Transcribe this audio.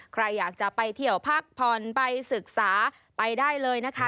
ใครอยากจะไปเที่ยวพักผ่อนไปศึกษาไปได้เลยนะคะ